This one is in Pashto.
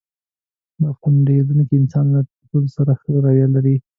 • خندېدونکی انسان له ټولو سره ښه رویه لري.